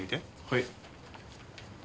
はい。